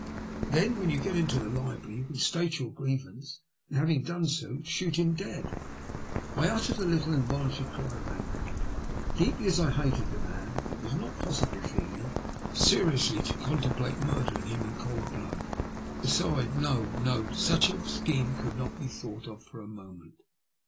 Then, when you get into the library, you can state your grievance and, having done so, shoot him dead." I uttered a little involuntary cry of anger. Deeply as I hated the man, it was not possible for me 69 THE LUST OF HATB. seriously to contemplate mordering him in cold blood. Besides — ^no, no ; such a scheme could not be thought of for a moment.